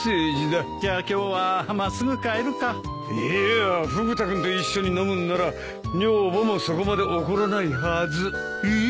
いいやフグ田君と一緒に飲むんなら女房もそこまで怒らないはず。え！